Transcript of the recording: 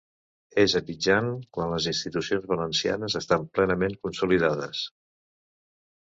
És a mitjan quan les institucions valencianes estan plenament consolidades.